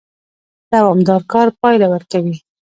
دوامدار کار پایله ورکوي